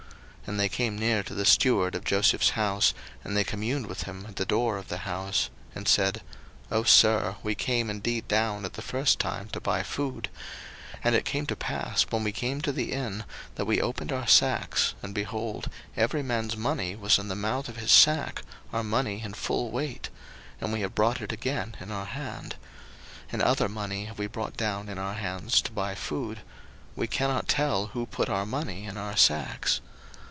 01:043:019 And they came near to the steward of Joseph's house, and they communed with him at the door of the house, 01:043:020 And said, O sir, we came indeed down at the first time to buy food: 01:043:021 And it came to pass, when we came to the inn, that we opened our sacks, and, behold, every man's money was in the mouth of his sack, our money in full weight: and we have brought it again in our hand. 01:043:022 And other money have we brought down in our hands to buy food: we cannot tell who put our money in our sacks.